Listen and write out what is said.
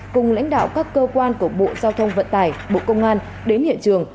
cùng lãnh đạo các cơ quan của bộ giao thông vận tải bộ công an đến hiện trường